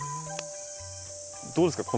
どうですか